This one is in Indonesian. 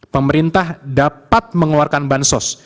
pemerintah dapat mengeluarkan bansos